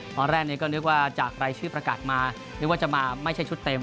ตอนแรกนี้ก็นึกว่าจากรายชื่อประกาศมานึกว่าจะมาไม่ใช่ชุดเต็ม